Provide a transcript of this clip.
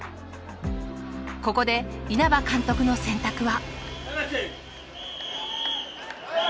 ここで稲葉監督の選択は。